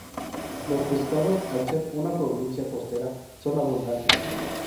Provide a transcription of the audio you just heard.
Los pescados, al ser una provincia costera, son abundantes.